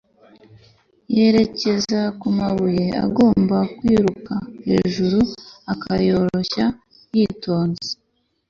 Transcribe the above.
yerekeza kumabuye agomba kwiruka hejuru, akayoroshya yitonze